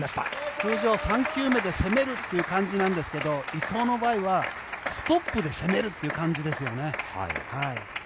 通常３球目で攻めるという感じなんですけど伊藤の場合、ストップで攻める感じでしたよね。